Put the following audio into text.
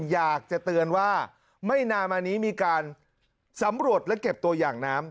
อยากจะเตือนว่าไม่นานมานี้มีการสำรวจและเก็บตัวอย่างน้ำ